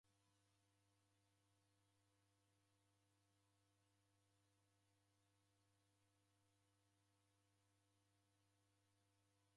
W'ukongo ghwa korona ghorekoghe ghuzamie ela idakoni ndoghune ndighi.